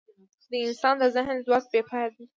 د انسان د ذهن ځواک بېپایه دی.